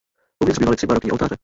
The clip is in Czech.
Uvnitř bývaly tři barokní oltáře.